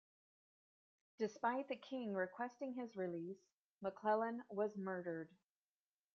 Despite the King requesting his release, Maclellan was murdered.